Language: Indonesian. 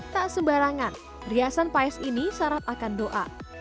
tak sembarangan riasan paes ini syarat akan doa